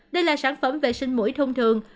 đây là sản phẩm vệ sinh mũi thông thường